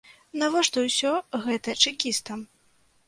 Навошта ўсё гэта чэкістам?